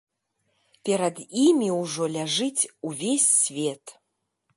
Перад імі ўжо ляжыць увесь свет.